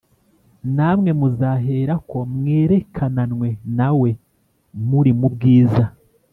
namwe muzaherako mwerekananwe na we muri mu bwiza